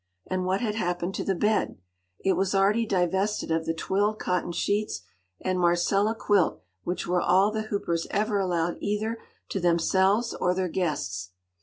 And what had happened to the bed? It was already divested of the twilled cotton sheets and marcella quilt which were all the Hoopers ever allowed either to themselves or their guests.